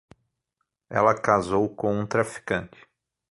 Ela casou com um traficante.